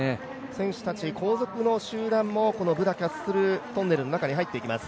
選手たち、後続の集団もブダ・キャッスル・トンネルの中に入っていきます。